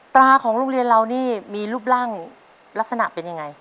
ตราของโรงเรียนเรานี่มีรูปร่างลักษณะเป็นยังไง